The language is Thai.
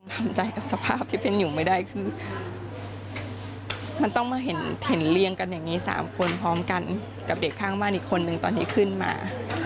ทำใจกับสภาพที่เป็นอยู่ไม่ได้คือมันต้องมาเห็นเรียงกันอย่างนี้๓คนพร้อมกันกับเด็กข้างบ้านอีกคนนึงตอนนี้ขึ้นมา